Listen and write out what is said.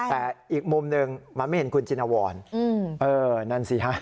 แต่อีกมุมหนึ่งมันไม่เห็นคุณจินวรนั่นสิฮะ